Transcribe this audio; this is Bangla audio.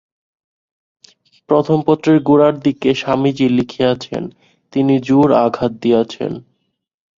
প্রথম পত্রের গোড়ার দিকে স্বামীজী লিখিয়াছেন, তিনি জোড় আঘাত দিয়াছেন।